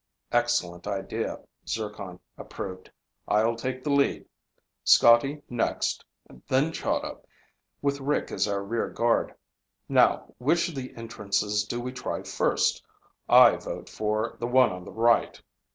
"Excellent idea," Zircon approved. "I'll take the lead. Scotty next, then Chahda, with Rick as rear guard. Now, which of the entrances do we try first? I vote for the one on the right."